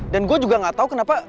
dan gua juga gak tau kenapa